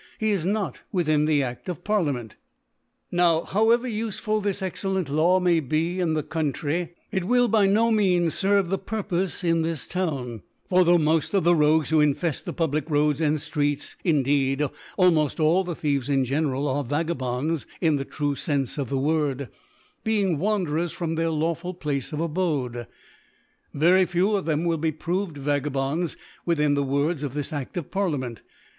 ^, he is not with in the Aft of Parliament. Now, however ufeful this excellent L^w may be in the Country, it will by no means fcrve ( HO ) Tefve the Purpofe in tWs Town : few tho* moft of the Rogues wiio infcft the Public Roads and Streets, indeed almoft all ihe Thieves in genera^, arc Vagabonds in the true Scnfe of the Word, being Wanderers from their lawful Place of Abode, very Few of them will be proved Vagabonds within the Words of this A& of Parliament.